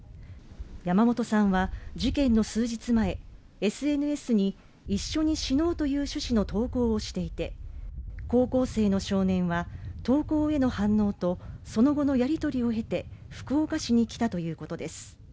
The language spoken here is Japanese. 山本さんは事件の数日前、ＳＮＳに一緒に死のうという趣旨の投稿をしていて、高校生の少年は投稿への反応とその後のやり取りを経て福岡市に来たということです。